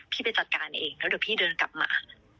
ไปจัดการเองแล้วเดี๋ยวพี่เดินกลับมา